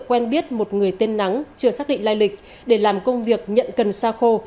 quen biết một người tên nắng chưa xác định lai lịch để làm công việc nhận cần xa khô